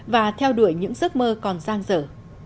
và theo đuổi những giấc mơ còn giang dở